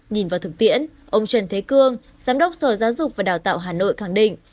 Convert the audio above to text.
nhìn vào thực tiễn ông trần thế cương giám đốc sở giáo dục và đào tạo hà nội khẳng định